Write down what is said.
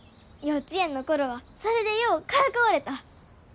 幼稚園の頃はそれでようからかわれた。